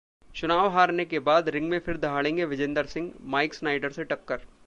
चुनाव हारने के बाद रिंग में फिर दहाड़ेंगे विजेंदर सिंह, माइक स्नाइडर से टक्कर